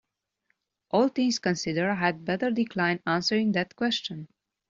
All things considered, I had better decline answering that question.